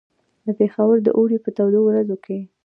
د پېښور د اوړي په تودو ورځو کې.